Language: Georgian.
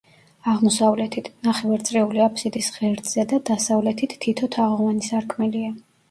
აღმოსავლეთით, ნახევარწრიული აფსიდის ღერძზე და დასავლეთით თითო თაღოვანი სარკმელია.